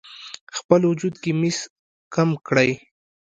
خپل وجود کې مس کم کړئ: